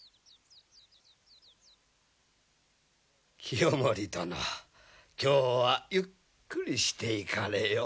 清盛殿今日はゆっくりしていかれよ。